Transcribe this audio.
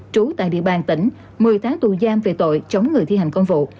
trú tại địa bàn tỉnh một mươi tháng tù giam về tội chống người thi hành công vụ